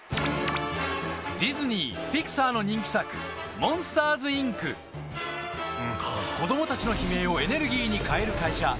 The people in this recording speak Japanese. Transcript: ディズニーピクサーの人気作子供たちの悲鳴をエネルギーに変える会社